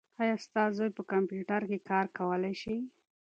ایا ستا زوی په کمپیوټر کې کار کولای شي؟